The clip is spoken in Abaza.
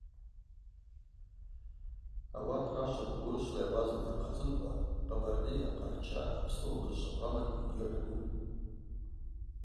Ауат рашваква урышвли абазали йырхъазымкӏва къабардыйа, къарча, апсыуа бызшваквалагьи йырхӏвун.